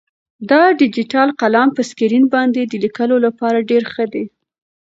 دا ډیجیټل قلم په سکرین باندې د لیکلو لپاره ډېر ښه دی.